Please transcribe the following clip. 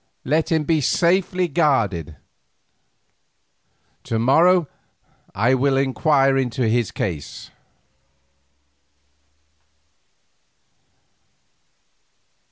Let him be safely guarded. Tomorrow I will inquire into his case."